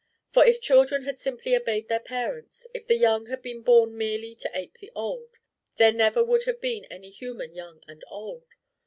For if children had simply obeyed their parents, if the young had been born merely to ape the old, there never would have been any human young and old.